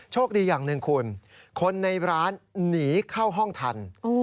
อย่างหนึ่งคุณคนในร้านหนีเข้าห้องทัน